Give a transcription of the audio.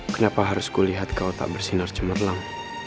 kenapa harus ku lihat kau tak bersinar cemerlang